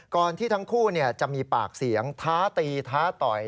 ก่อนที่ทั้งคู่จะมีปากเสียงท้าตีท้าต่อย